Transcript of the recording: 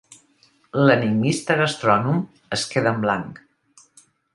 L'enigmista gastrònom es queda en blanc.